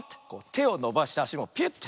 てをのばしてあしもピュッて。